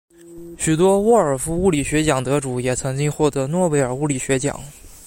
许多沃尔夫物理学奖得主也曾经获得诺贝尔物理学奖。